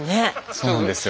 そうなんですよ。